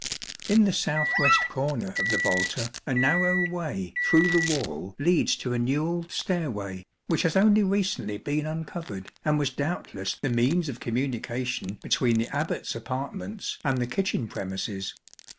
In the south west corner of the volta, a narrow way through the wall leads to a newelled stairway, which has only recently been uncovered, and was doubtless the means of communication between the Abbat's apartments and the kitchen premises.